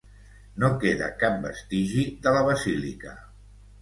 No queda cap vestigi de la basílica.